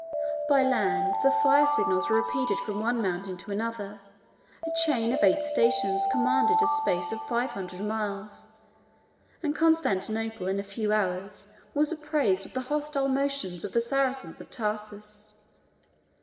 By land, the fire signals were repeated from one mountain to another; a chain of eight stations commanded a space of five hundred miles; and Constantinople in a few hours was apprised of the hostile motions of the Saracens of Tarsus.